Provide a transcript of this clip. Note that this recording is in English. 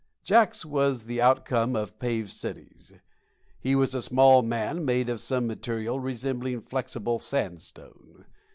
Jacks was the outcome of paved cities. He was a small man made of some material resembling flexible sandstone.